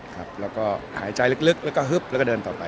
แล้วก็หายใจลึกแล้วก็เดินต่อไป